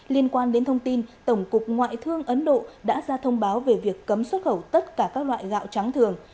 liên quan đến thông tin tổng cục ngoại thương ấn độ đã ra thông báo về việc cấm xuất khẩu tất cả các loại gạo trắng thường